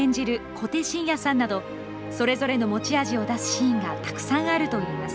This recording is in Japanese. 小手伸也さんなど、それぞれの持ち味を出すシーンがたくさんあるといいます。